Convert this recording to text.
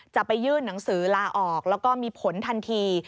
จะไปยื่นหนังสือลาออกแล้วก็มีผลทันที